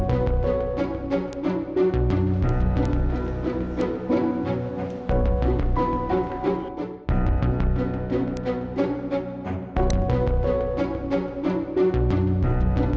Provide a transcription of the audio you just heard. aku ingin mencoba